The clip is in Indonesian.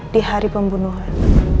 di hari pembunuhan